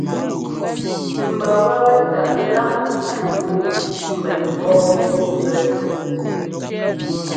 Mba wɛ́tɛ́ taʼ lá ndúu mbɛn mbɔ́ nzúɛ́.